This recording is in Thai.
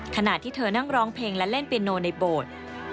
ขณะที่เธอนั่งร้องเพลงและเล่นเปียโนในโบสถ์